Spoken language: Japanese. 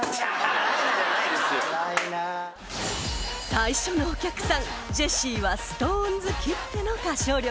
［最初のお客さんジェシーはＳｉｘＴＯＮＥＳきっての歌唱力］